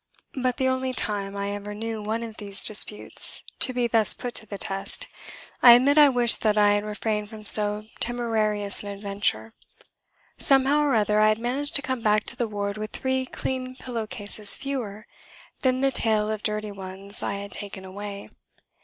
But the only time I ever knew one of these disputes to be thus put to the test I admit I wished that I had refrained from so temerarious an adventure. Somehow or other I had managed to come back to the ward with three clean pillow cases fewer than the tale of dirty ones I had taken away.